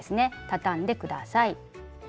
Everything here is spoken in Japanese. たたんで下さい。